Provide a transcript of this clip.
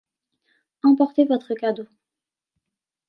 Emportez votre cadeau.